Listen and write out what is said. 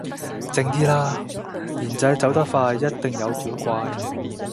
靜啲啦，僆仔走得快一定有古怪